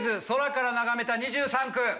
空から眺めた２３区！